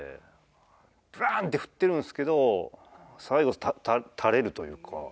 バーンって振ってるんですけど最後垂れるというか。